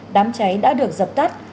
đám cháy đã được dập tắt